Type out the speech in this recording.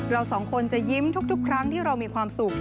เราสองคนจะยิ้มทุกครั้งที่เรามีความสุข